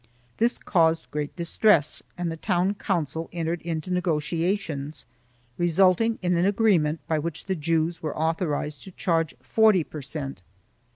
This caused great distress and the town council entered into negotiations, resulting in an agreement by which the Jews were authorized to charge 40 per cent.